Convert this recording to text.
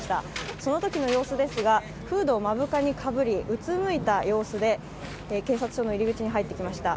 そのときの様子ですが、フードを目深にかぶり、うつむいた様子で、警察署の入り口に入ってきました。